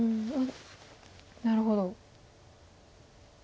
なるほど。